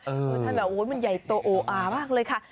อุทานแบบมันใหญ่ตัวโอ้อามากเลยค่ะ